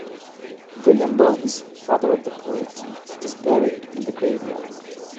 William Burnes, father of the poet, is buried in the graveyard.